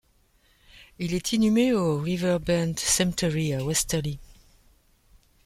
Il est inhumé au River Bend Cemetery à Westerly.